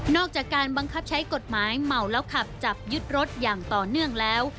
อกจากการบังคับใช้กฎหมายเมาแล้วขับจับยึดรถอย่างต่อเนื่องแล้ว